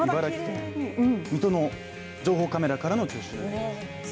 水戸の情報カメラからの中秋の名月。